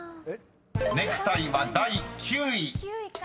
［「ネクタイ」は第９位］９位か。